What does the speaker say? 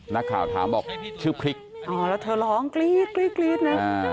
นักข่าวถามบอกชื่อคลิกอ๋อแล้วเธอร้องกรีดกรีดน่ะอ่า